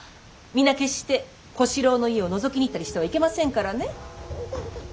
皆決して小四郎の家をのぞきに行ったりしてはいけませんからね。